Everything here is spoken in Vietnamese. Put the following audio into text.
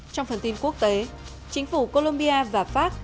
trong phần tin quốc tế chính phủ colombia và pháp